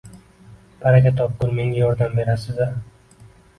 — Baraka topkur, menga yordam berarsiz-a?